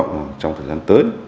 cũng hy vọng trong thời gian tới